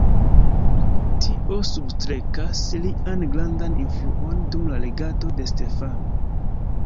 Tio substrekas lian grandan influon dum la regado de Stefano.